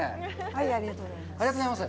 ありがとうございます。